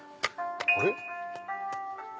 あれ？